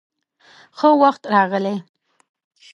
_ښه وخت راغلې.